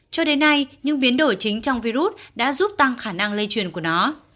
cho đến nay những biến đổi chính trong virus đã giúp tăng khả năng lây truyền của nó